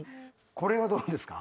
これはどうですか？